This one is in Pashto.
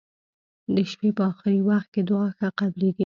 د شپي په اخرې وخت کې دعا ښه قبلیږی.